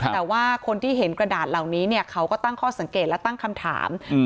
แต่ว่าคนที่เห็นกระดาษเหล่านี้เนี่ยเขาก็ตั้งข้อสังเกตและตั้งคำถาม